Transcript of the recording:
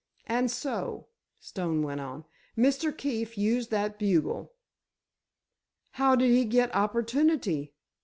"And so," Stone went on, "Mr. Keefe used that bugle——" "How did he get opportunity?"